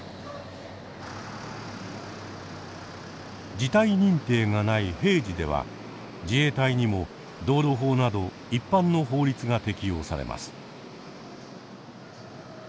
事態認定がない「平時」では自衛隊にも道路法など一般の法律が適用されます。